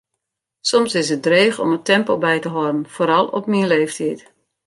Soms is it dreech om it tempo by te hâlden, foaral op myn leeftiid.